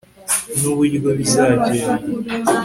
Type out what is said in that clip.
nuburyo bizagenda